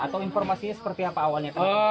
atau informasinya seperti apa awalnya